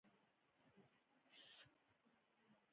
ولایتونه د اړتیاوو د پوره کولو وسیله ده.